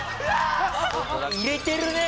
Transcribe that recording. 入れてるね